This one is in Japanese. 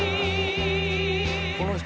この人。